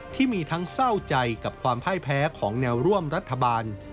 ที่มีทั้งเศร้าใจกับความพ่ายแพ้ของแนวร่วมรัฐบาล